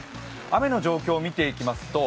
雨の状況を見ていきますと